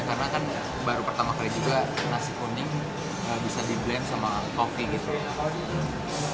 karena kan baru pertama kali juga nasi kuning bisa di blend sama kopi gitu